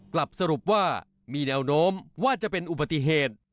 กลับสรุปว่ามีแนวโน้มว่าจะเป็นอุบัติเหตุ